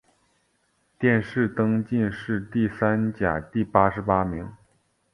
殿试登进士第三甲第八十八名。